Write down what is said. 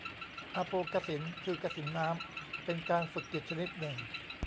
อาโปกสิณ คือกสิณน้ำ เป็นการฝึกจิตชนิดหนึ่ง